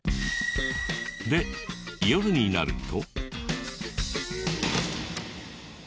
で夜になると。